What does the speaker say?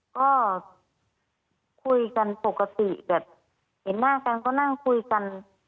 ก็คุยกันปกติแบบเห็นหน้ากันก็นั่งคุยกัน